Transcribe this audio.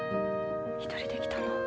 一人で来たの？